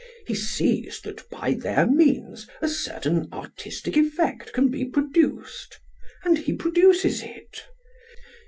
He sees that by their means a certain artistic effect can be produced and he produces it.